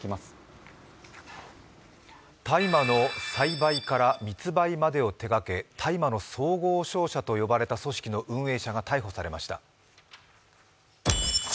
大麻の栽培から密売までを手がけ大麻の総合商社と呼ばれた組織の運営者が逮捕されました。